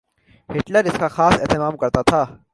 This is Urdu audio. ہٹلر اس کا خاص اہتمام کرتا تھا۔